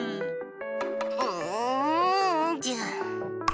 ううじゃ。